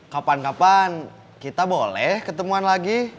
kapan kapan kita boleh ketemuan lagi